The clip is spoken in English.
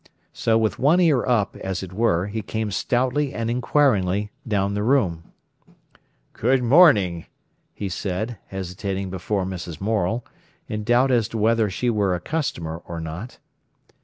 So, with one ear up, as it were, he came stoutly and inquiringly down the room. "Good morning!" he said, hesitating before Mrs. Morel, in doubt as to whether she were a customer or not.